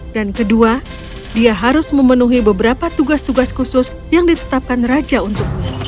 dan kedua dia harus memenuhi beberapa tugas tugas khusus yang ditetapkan raja untuknya